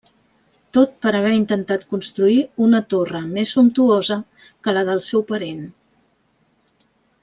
Tot per haver intentat construir una torre més sumptuosa que la del seu parent.